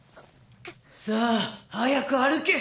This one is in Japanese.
さあ早く歩け。